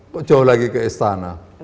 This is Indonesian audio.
kok jauh lagi ke istana